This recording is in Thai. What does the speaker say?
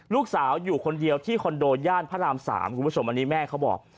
ลูกสาวอยู่คนเดียวที่คอนโดย่านพระราม๓คุณผู้ชมอันนี้แม่เขาบอก